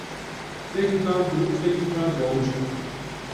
فکر میکنم که او فکر میکند باهوش است